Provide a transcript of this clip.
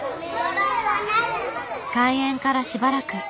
開園からしばらく。